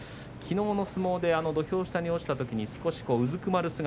きのうの相撲で土俵下に落ちたときに少しうずくまる